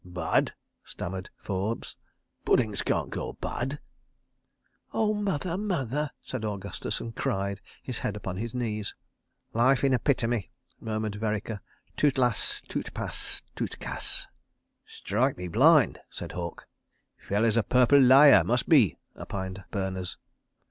"Bad?" stammered Forbes. "Puddings can't go bad. ..." "Oh, Mother, Mother!" said Augustus, and cried, his head upon his knees. "Life in epitome," murmured Vereker. "Tout lasse; tout passe; tout casse." "Strike me blind!" said Halke. "Feller's a purple liar. ... Must be," opined Berners.